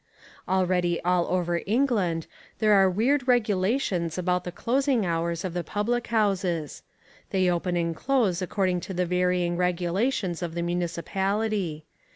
Already all over England there are weird regulations about the closing hours of the public houses. They open and close according to the varying regulations of the municipality.